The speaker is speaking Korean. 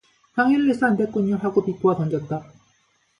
방해를 해서 안됐군요 하고 비꼬아 던졌다.